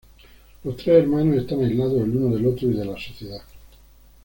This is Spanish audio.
Los tres hermanos están aislados el uno del otro y de la sociedad.